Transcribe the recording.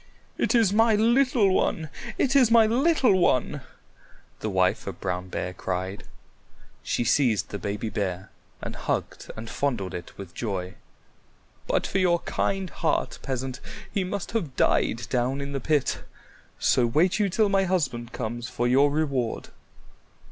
"It is my little one! It is my little one!" the wife of Brown Bear cried. She seized the baby bear and hugged and fondled it with joy. "But for your kind heart, Peasant, he must have died down in the pit; so wait you till my husband comes for your reward."